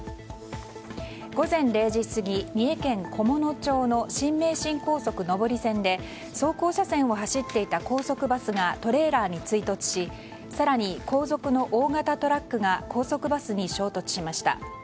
午前０時過ぎ、三重県菰野町の新名神高速上り線で走行車線を走っていた高速バスがトレーラーに追突し更に後続の大型トラックが高速バスに衝突しました。